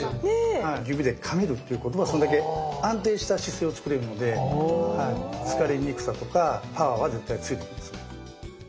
指でかめるっていうことはそれだけ安定した姿勢を作れるので疲れにくさとかパワーは絶対ついてきますね。